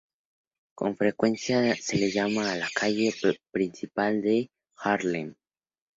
Con frecuencia se la llama la "Calle Principal" de Harlem.